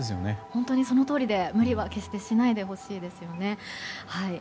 本当にそのとおりで無理は決してしないでほしいですね。